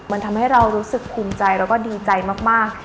มันทำให้เรารู้สึกภูมิใจแล้วก็ดีใจมาก